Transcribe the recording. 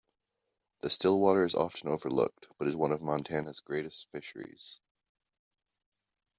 The Stillwater is often overlooked, but is one of Montana's greatest fisheries.